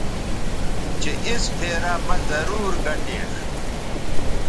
چہء اِس پھیرہ مہ ضرور گٹینݜ